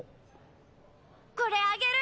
これあげる！